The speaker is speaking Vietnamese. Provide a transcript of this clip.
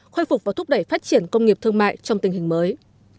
khôi phục và thúc đẩy phát triển công nghiệp thương mại trong tình hình mới